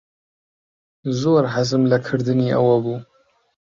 زۆر حەزم لە کردنی ئەوە بوو.